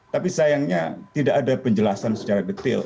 tapi sayangnya tidak ada penjelasan secara detail